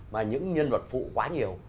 mà những nhân vật phụ quá nhiều